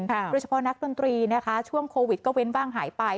โดยเฉพาะนักดนตรีนะคะช่วงโควิดก็เว้นบ้างหายไป